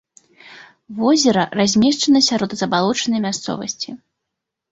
Возера размешчана сярод забалочанай мясцовасці.